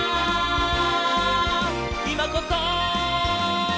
「いまこそ！」